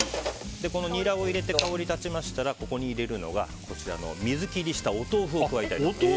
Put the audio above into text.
ニラを入れて香りが立ちましたらここに入れるのがこちらの水切りしたお豆腐を加えます。